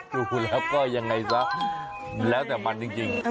ดูแล้วก็ยังไงซะแล้วแต่มันจริง